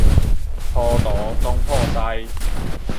糊塗總鋪師